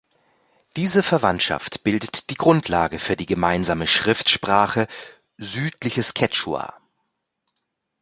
Diese Verwandtschaft bildet die Grundlage für die gemeinsame Schriftsprache "Südliches Quechua".